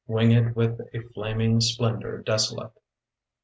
Winged with a flaming splendor desolate.